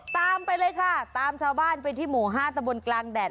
ตามไปเลยค่ะตามชาวบ้านไปที่หมู่๕ตะบนกลางแดด